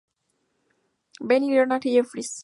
Ben y Leonard Jeffries.